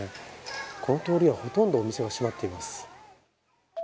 この通りはほとんどお店が閉まっています。